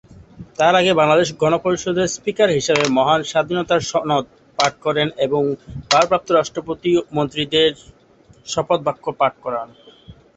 তার আগে বাংলাদেশ গণপরিষদের স্পিকার হিসেবে "মহান স্বাধীনতার সনদ" পাঠ করেন এবং ভারপ্রাপ্ত রাষ্ট্রপতি ও মন্ত্রীদের শপথ বাক্য পাঠ করান।